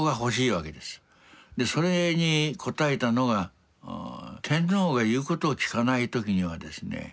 それに応えたのが天皇が言うことを聞かない時にはですね